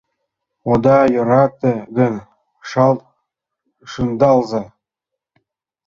Ода йӧрате гын, шалт шындалза!